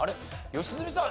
良純さん